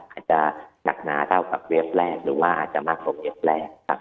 อาจจะหนักหนาเท่ากับเว็บแรกหรือว่าอาจจะมากกว่าเว็บแรกครับ